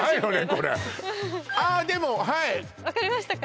これあーっでもはい分かりましたか？